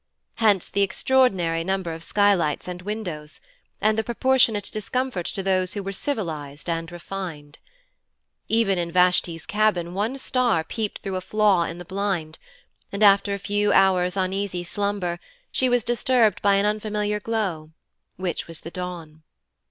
Hence the extraordinary number of skylights and windows, and the proportionate discomfort to those who were civilized and refined. Even in Vashti's cabin one star peeped through a flaw in the blind, and after a few hers' uneasy slumber, she was disturbed by an unfamiliar glow, which was the dawn.